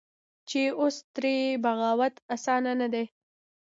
چې اوس ترې بغاوت اسانه نه دى.